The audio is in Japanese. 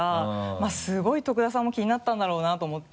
まぁすごい徳田さんも気になったんだろうなと思って。